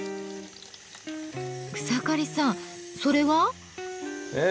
草刈さんそれは？え？